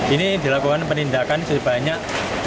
ini dilakukan penindakan sebanyak